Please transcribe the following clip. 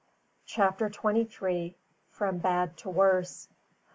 CHAPTER TWENTY THREE. FROM BAD TO WORSE.